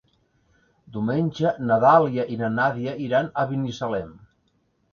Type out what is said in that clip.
Diumenge na Dàlia i na Nàdia iran a Binissalem.